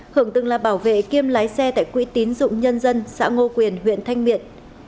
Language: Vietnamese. hưởng từng là bảo vệ kiêm lái xe tại quỹ tín dụng nhân dân xã ngô quyền huyện thanh miện